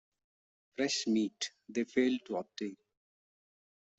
Fresh meat they failed to obtain.